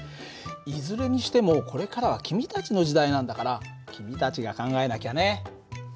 いずれにしてもこれからは君たちの時代なんだから君たちが考えなきゃね。